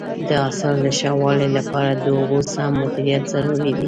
د حاصل د ښه والي لپاره د اوبو سم مدیریت ضروري دی.